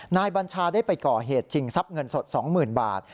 บัญชาได้ไปก่อเหตุชิงทรัพย์เงินสด๒๐๐๐บาท